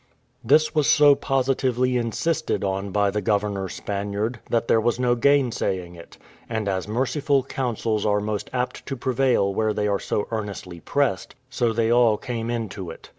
This was so positively insisted on by the governor Spaniard, that there was no gainsaying it; and as merciful counsels are most apt to prevail where they are so earnestly pressed, so they all came into it.